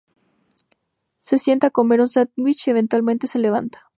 Se sienta a comer un sándwich y eventualmente se levanta.